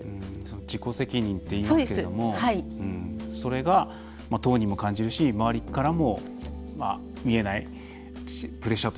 自己責任といいますけどもそれが、当人も感じるし周りからも言えないプレッシャーが。